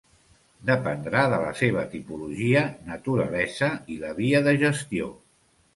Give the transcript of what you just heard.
Dependrà de la seva tipologia, naturalesa i la via de gestió.